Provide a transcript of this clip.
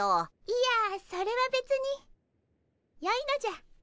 いやそれはべつによいのじゃ。